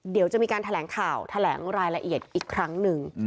เดี๋ยวจะมีการแถลงข่าวแถลงรายละเอียดอีกครั้งหนึ่ง